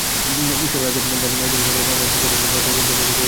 ঈশ্বরের রাজ্যে বায়ু যেমন সকলের অনায়াস-লভ্য, ভারতের ধর্মকেও ঐরূপ সুলভ করিতে হইবে।